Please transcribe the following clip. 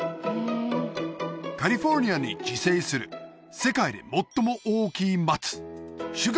カリフォルニアに自生する世界で最も大きいマツ